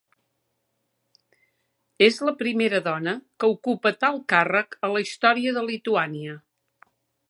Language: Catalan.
És la primera dona que ocupa tal càrrec a la història de Lituània.